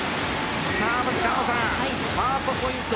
まず狩野さんファーストポイント